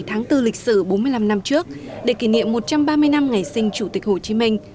tháng bốn lịch sử bốn mươi năm năm trước để kỷ niệm một trăm ba mươi năm ngày sinh chủ tịch hồ chí minh